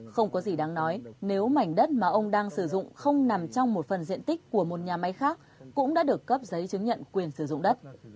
không có gì đáng nói nếu mảnh đất mà ông đang sử dụng không nằm trong một phần diện tích của một nhà máy khác cũng đã được cấp giấy chứng nhận quyền sử dụng đất